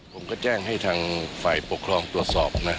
ผมก็แจ้งให้ทางฝ่ายปกครองตรวจสอบนะ